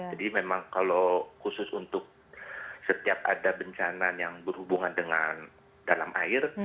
jadi memang kalau khusus untuk setiap ada bencana yang berhubungan dengan dalam air